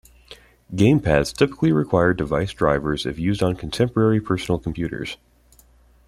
Gamepads typically require device drivers if used on contemporary personal computers.